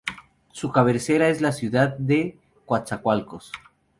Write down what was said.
Su cabecera es la ciudad de Coatzacoalcos.